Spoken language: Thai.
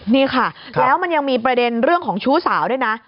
นี่ค่ะแล้วมันยังมีประเด็นเรื่องของชู้สาวด้วยนะ